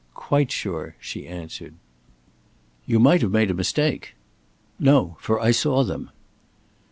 "Quite sure," she answered. "You might have made a mistake." "No; for I saw them."